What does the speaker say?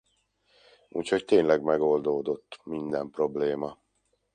Úgyhogy tényleg megoldódott minden probléma.